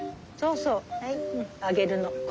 そうそうあげるの。